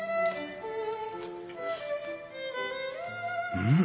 うん！